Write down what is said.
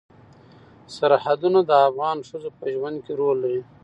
سرحدونه د افغان ښځو په ژوند کې رول لري.